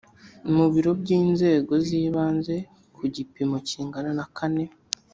mu biro by inzego z ibanze ku gipimo kingana na kane